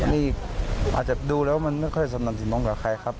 นี่อาจจะดูแล้วมันไม่ค่อยสนับสินน้องกับใครครับ